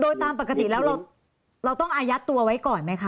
โดยตามปกติแล้วเราต้องอายัดตัวไว้ก่อนไหมคะ